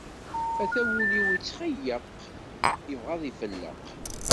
Ata wul-iw itxeyyeq, ibɣa ad ifelleq.